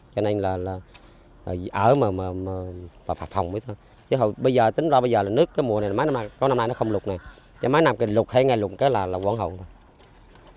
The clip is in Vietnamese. cho nên là ở mà phạt hồng với thôi chứ không bây giờ tính ra bây giờ là nước cái mùa này mấy năm nay nó không lục nè mấy năm cái lục hay ngày lục cái là quảng hồng